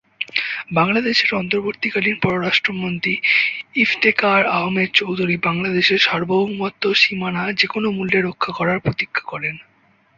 বাংলাদেশের অন্তর্বর্তীকালীন পররাষ্ট্রমন্ত্রী ইফতেখার আহমেদ চৌধুরী বাংলাদেশের সার্বভৌমত্ব ও সীমানা "যেকোনো মূল্যে" রক্ষা করার প্রতিজ্ঞা করেন।